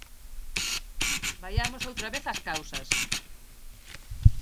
Vaiamos outra vez ás causas.